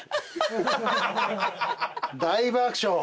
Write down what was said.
大爆笑。